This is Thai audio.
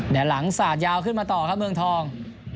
เดี๋ยวหลังสาดยาวขึ้นมาต่อครับเมืองทอง